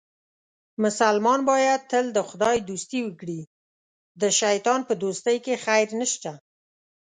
مسلمان باید تل د خدای دوستي وکړي، د شیطان په دوستۍ کې خیر نشته.